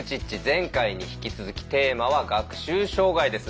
前回に引き続きテーマは「学習障害」です。